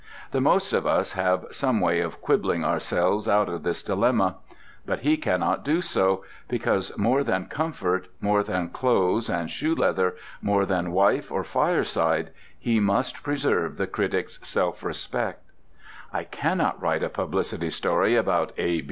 The most of us have some way of quibbling ourselves out of this dilemma. But he cannot do so, because more than comfort, more than clothes and shoe leather, more than wife or fireside, he must preserve the critic's self respect. "I cannot write a publicity story about A.